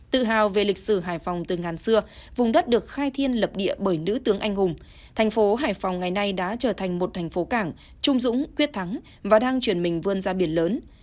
tự hào về lịch sử hải phòng từ ngàn xưa vùng đất được khai thiên lập địa bởi nữ tướng anh hùng thành phố hải phòng ngày nay đã trở thành một thành phố cảng trung dũng quyết thắng và đang chuyển mình vươn ra biển lớn